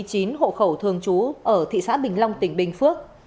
hộ khẩu thường trú ở thị xã bình long tỉnh bình phước